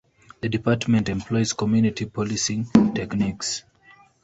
The department employs community policing techniques.